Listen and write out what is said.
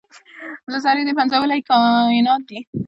له ذرې دې پنځولي کاینات دي